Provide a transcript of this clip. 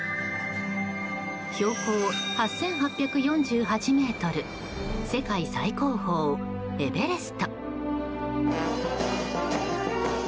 標高８８４８ｍ世界最高峰、エベレスト。